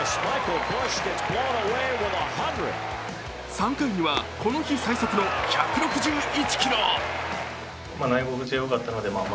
３回には、この日最速の１６１キロ。